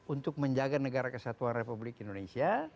untuk menjaga negara kesatuan republik indonesia